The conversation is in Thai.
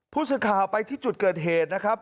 ผู้สื่อข่าวไปที่จุดเกิดเหตุนะครับ